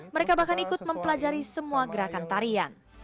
mereka bahkan ikut mempelajari semua gerakan tarian